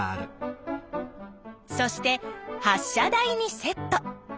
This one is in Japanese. そして発しゃ台にセット。